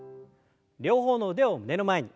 両方の腕を胸の前に。